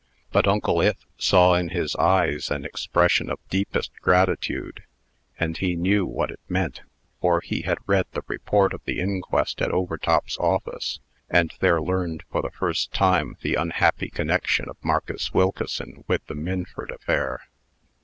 But Uncle Ith saw in his eyes an expression of the deepest gratitude, and he knew what it meant; for he had read the report of the inquest at Overtop's office, and there learned, for the first time, the unhappy connection of Marcus Wilkeson with the Minford affair.